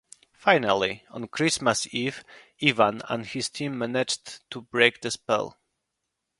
Finally, on Christmas Eve, Ivan and his team managed to break the spell.